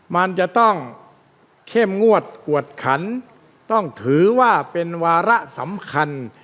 มันจะต้องเข้มงวดกวดขันต้องถือว่าเป็นวาระสำคัญ